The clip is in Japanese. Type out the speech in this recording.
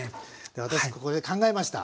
私ここで考えました。